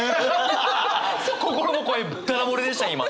心の声だだ漏れでした今！